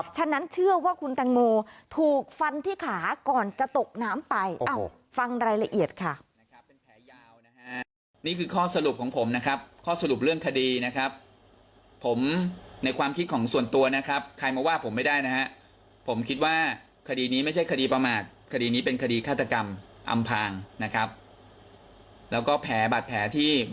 ฉะนั้นเชื่อว่าคุณแต่งโมถูกฟันที่ขาก่อนจะตกน้ำไป